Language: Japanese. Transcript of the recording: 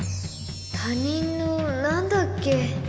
「他人の」何だっけ？